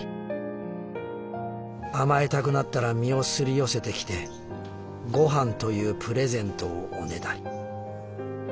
甘えたくなったら身を擦り寄せてきてごはんというプレゼントをおねだり。